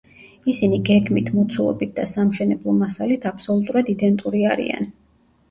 ისინი გეგმით, მოცულობით და სამშენებლო მასალით აბსოლუტურად იდენტური არიან.